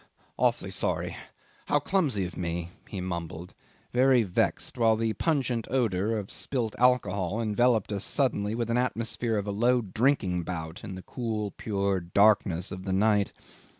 "Awfully sorry. How clumsy of me!" he mumbled, very vexed, while the pungent odour of spilt alcohol enveloped us suddenly with an atmosphere of a low drinking bout in the cool, pure darkness of the night.